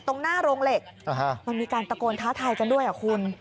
ตรงหน้าโรงเหล็กมันมีการตะโกนท้าทายกันด้วยอ่ะคุณ